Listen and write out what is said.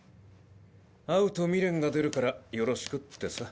会うと未練が出るからよろしくってさ。